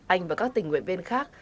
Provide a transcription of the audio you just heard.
anh và các tình nguyện bên khác